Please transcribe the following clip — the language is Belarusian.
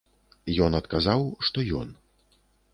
Ён адказаў, што ён.